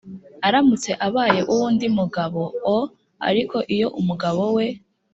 aramutse abaye uw undi mugabo o Ariko iyo umugabo we